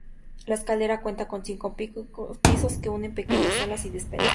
La escalera cuenta con cinco pisos que unen pequeñas salas y despensas.